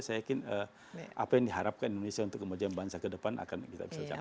saya yakin apa yang diharapkan indonesia untuk kemudian bangsa ke depan akan kita bisa capai